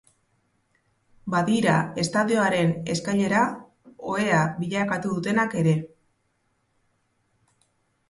Badira estadioaren eskailera ohea bilakatu dutenak ere.